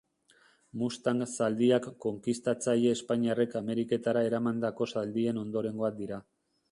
Mustang zaldiak Konkistatzaile espainiarrek Ameriketara eramandako zaldien ondorengoak dira.